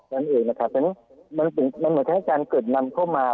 นั่นอื่นนะคะมันเหมือนแค่การเกิดนำเข้ามา